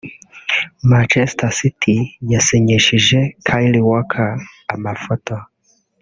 Manchester City yasinyishije Kyle Walker (amafoto)